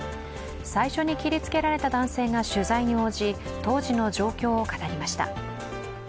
最初に切りつけられた男性が取材に応じ、当時の状況を語りました。